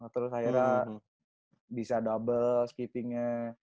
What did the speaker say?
terus akhirnya bisa double speetingnya